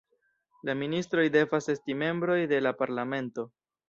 La ministroj devas esti membroj de la parlamento.